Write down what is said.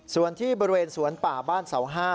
ส่วนที่บริเวณสวนป่าบ้านเสา๕